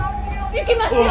行きますよ！